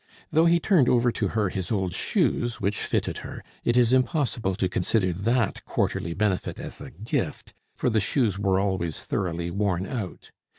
Though he turned over to her his old shoes (which fitted her), it is impossible to consider that quarterly benefit as a gift, for the shoes were always thoroughly worn out.